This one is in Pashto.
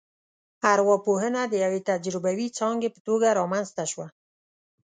ارواپوهنه د یوې تجربوي ځانګې په توګه رامنځته شوه